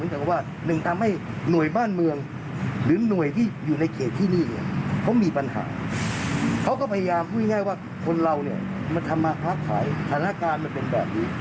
แต่นี่คุณอยู่กล่องปลากคุณอยากจะทำอะไรก็ได้